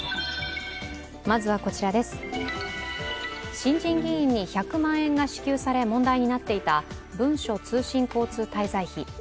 新人議員に１００万円が支給され、問題になっていた文書通信交通滞在費。